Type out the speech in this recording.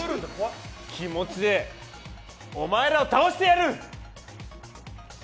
気持ちでお前らを倒してやる！